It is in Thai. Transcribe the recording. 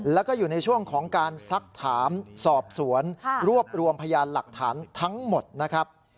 แล้วก็อยู่ในช่วงของการซักถามสอบสวนรวบรวมพยานหลักฐานทั้งหมดนะครับ